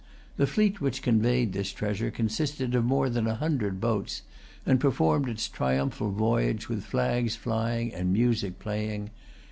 The fleet which conveyed this treasure consisted of more than a hundred boats, and performed its triumphal voyage with flags flying and music playing.